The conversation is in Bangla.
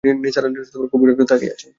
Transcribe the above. নিসার আলি গভীর আগ্রহে তাকিয়ে আছেন।